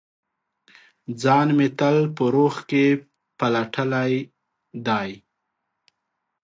ځان مې تل په روح کې پلټلي دی